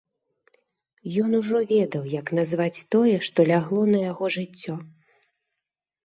Ён ужо ведаў, як назваць тое, што лягло на яго жыццё.